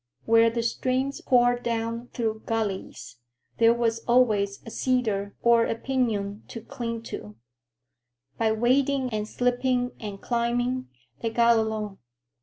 Where the streams poured down through gullies, there was always a cedar or a piñon to cling to. By wading and slipping and climbing, they got along.